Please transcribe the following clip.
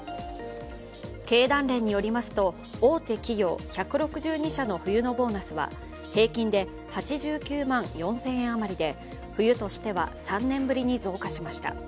経団連によりますと大手企業１６２社の冬のボーナスは平均で８９万４０００円余りで冬としては３年ぶりに増加しました。